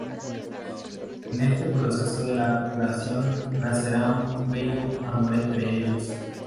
En este proceso de la curación, nacerá un bello amor entre ellos.